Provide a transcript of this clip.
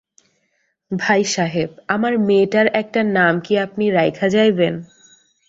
ভাইসাহেব, আমার মেয়েটার একটা নাম কি আপনি রাইখা যাইবেন?